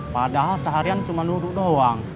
padahal seharian cuma duduk doang